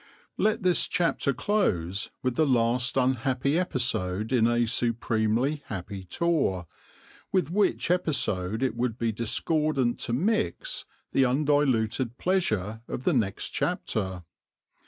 Let this chapter close with the last unhappy episode in a supremely happy tour, with which episode it would be discordant to mix the undiluted pleasure of the next chapter.